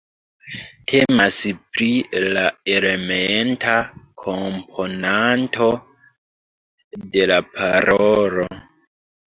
Temas pri la elementa komponanto de la parolo.